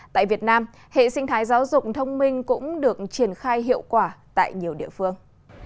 tại việt nam hệ sinh thái giáo dục thông minh cũng được triển khai hiệu quả tại nhiều địa phương